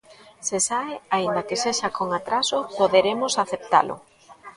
Se sae, aínda que sexa con atraso, poderemos aceptalo.